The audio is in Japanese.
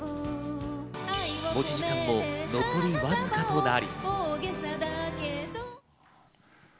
持ち時間も残りわずかとなり。